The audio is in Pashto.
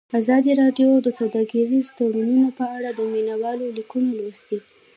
ازادي راډیو د سوداګریز تړونونه په اړه د مینه والو لیکونه لوستي.